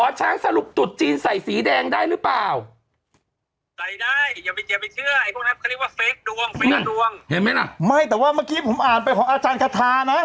อาจารย์ช้างมึงมีสตรงไหนคือโป้อานนลไม่เคยเห็นหมอช้างแข่งแว่ง